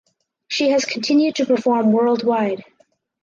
She has continued to perform worldwide.